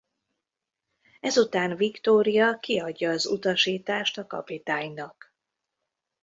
Ezután Viktória kiadja az utasítást a kapitánynak.